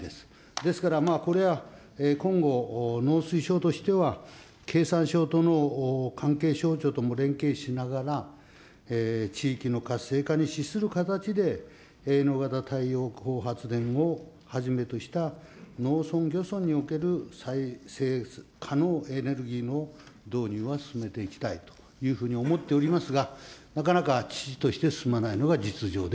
ですから、これは今後、農水省としては、経産省等の関係省庁とも連携しながら、地域の活性化に資する形で、営農型太陽光発電をはじめとした農村、漁村における再生可能エネルギーの導入は進めていきたいというふうに思っておりますが、なかなか遅々として進まないのが実情で